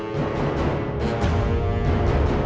tak mungkin memang